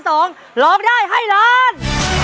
ร้องได้ให้ล้าน